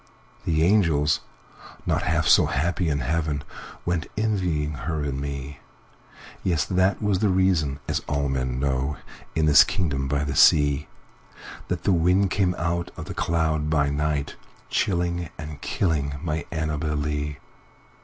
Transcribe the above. The angels, not half so happy in heaven, Went envying her and me; Yes! that was the reason (as all men know, In this kingdom by the sea)That the wind came out of the cloud by night, Chilling and killing my Annabel Lee.